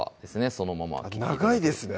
そのまま長いですね